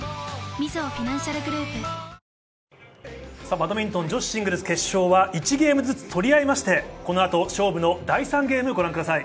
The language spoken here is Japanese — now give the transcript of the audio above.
バドミントン女子シングルス決勝は１ゲームずつ取り合って、このあと勝負の第３ゲームをご覧ください。